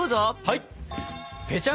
はい！